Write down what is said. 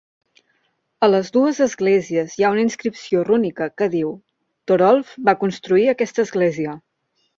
A les dues esglésies hi ha una inscripció rúnica que diu: "Torolf va construir aquesta església".